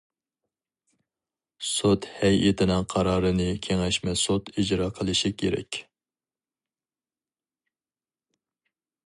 سوت ھەيئىتىنىڭ قارارىنى كېڭەشمە سوت ئىجرا قىلىشى كېرەك.